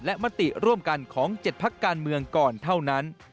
และมติร่วมกันของ๗พักการเมืองก่อนเท่านั้น